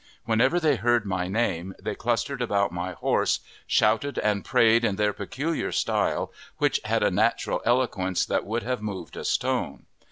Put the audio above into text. Whenever they heard my name, they clustered about my horse, shouted and prayed in their peculiar style, which had a natural eloquence that would have moved a stone.